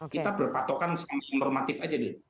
kita berpatokan sama normatif saja